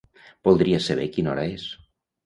Voldria saber quina hora és.